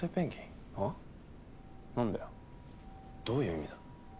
どういう意味だ？